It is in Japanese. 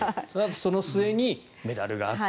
その末にメダルがあって